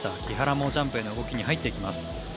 木原も、ジャンプへの動きに入っていきます。